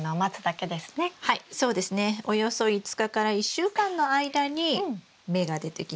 およそ５日から１週間の間に芽が出てきます。